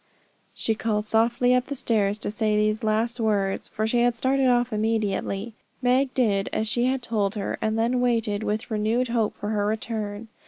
She called softly up the stairs to say these last words, for she had started off immediately. Meg did as she had told her, and then waited with renewed hope for her return.